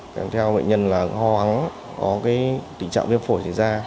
cảm theo bệnh nhân là ho hóng có cái tình trạng viêm phổi xảy ra